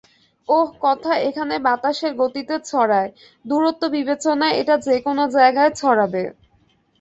ওহ, কথা এখানে বাতাসের গতিতে ছড়ায়, দূরত্ব বিবেচনায় এটা যেকোন জায়গায় ছড়াবে।